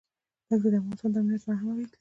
دښتې د افغانستان د امنیت په اړه هم اغېز لري.